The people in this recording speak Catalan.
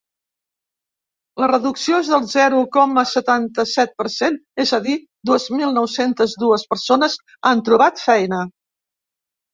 La reducció és del zero coma setanta-set per cent, és a dir, dues mil nou-centes dues persones han trobat feina.